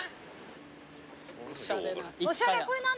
おしゃれな。